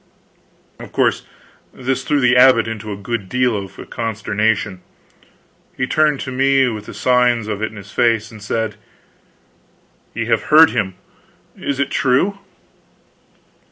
Of course this threw the abbot into a good deal of a consternation. He turned to me with the signs of it in his face, and said: "Ye have heard him. Is it true?"